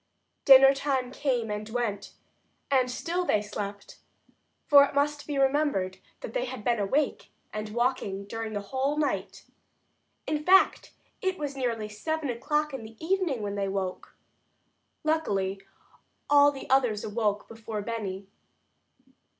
Dinner time came and went, and still they slept, for it must be remembered that they had been awake and walking during the whole night. In fact, it was nearly seven o'clock in the evening when they awoke. Luckily, all the others awoke before Benny.